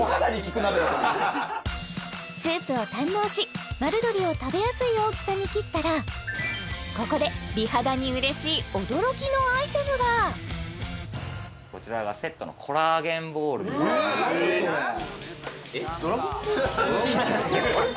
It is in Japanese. スープを堪能し丸鶏を食べやすい大きさに切ったらここで美肌にうれしい驚きのアイテムがこちらがうわ何それ？